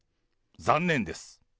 残念です。